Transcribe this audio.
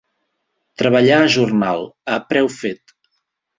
Treballar a jornal, a preu fet.